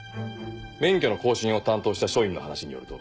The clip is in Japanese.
免許の更新を担当した署員の話によると。